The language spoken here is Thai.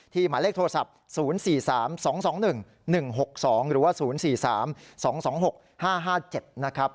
หมายเลขโทรศัพท์๐๔๓๒๒๑๑๖๒หรือว่า๐๔๓๒๒๖๕๕๗นะครับ